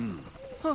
あっ。